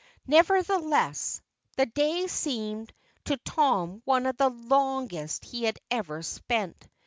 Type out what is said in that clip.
Nevertheless, the day seemed to Tom one of the longest he had ever spent.